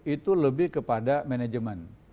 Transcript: itu lebih kepada manajemen